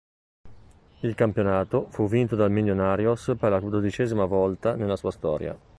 Il campionato fu vinto dal Millonarios per la dodicesima volta nella sua storia.